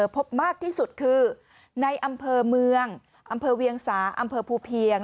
พบมากที่สุดคือในอำเภอเมืองอำเภอเวียงสาอำเภอภูเพียง